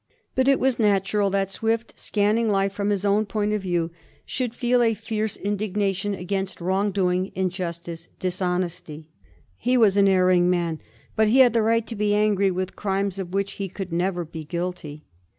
But it was natural that Swiftj scanning life from his own point of view, should feel a fierce indignation against wrong doing, injustice, dishonesty. He was an erring man, but he had the right to be angry with crimes of which he could never be guilty.